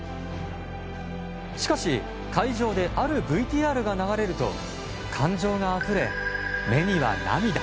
しかし会場で、あるＶＴＲが流れると感情があふれ、目には涙。